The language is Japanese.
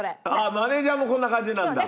マネージャーもこんな感じなんだ。